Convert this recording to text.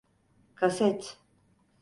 Kaset…